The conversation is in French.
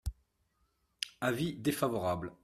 Avis défavorable.